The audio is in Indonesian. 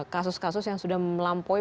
kasus kasus yang sudah melampaui